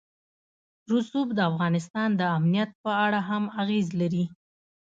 رسوب د افغانستان د امنیت په اړه هم اغېز لري.